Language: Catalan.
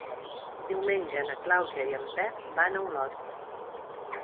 Diumenge na Clàudia i en Pep van a Olot.